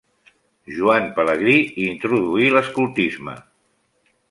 Joan Pelegrí hi introduí l'escoltisme.